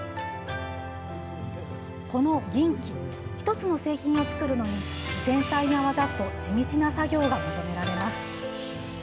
この銀器、１つの製品を作るのに繊細な技と地道な作業が求められます。